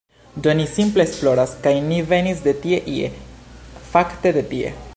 Do ni simple esploras, kaj ni venis de tie ie, fakte de tie.